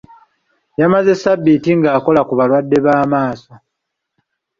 Yamaze ssabbiiti ng'akola ku balwadde b'amaaso.